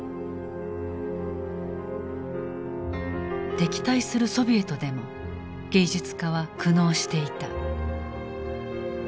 敵対するソビエトでも芸術家は苦悩していた。